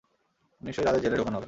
নিশ্চয়ই তাদের জেলে ঢুকানো হবে।